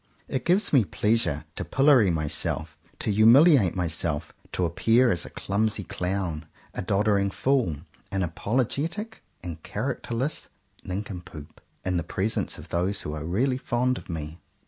It gives me pleasure to pillory myself, to humiliate myself, to appear as a clumsy clown, a 133 CONFESSIONS OF TWO BROTHERS doddering fool, an apologetic and character less nincompoop, in the presence of those who are really fond of me.